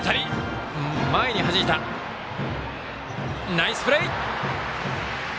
ナイスプレー！